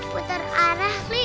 putar arah li